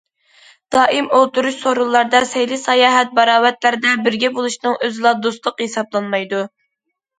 دائىم ئولتۇرۇش، سورۇنلاردا، سەيلى- ساياھەت، باراۋەتلەردە بىرگە بولۇشنىڭ ئۆزىلا دوستلۇق ھېسابلانمايدۇ.